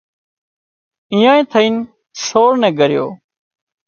ايئان ٿئينَ سور نين ڳريو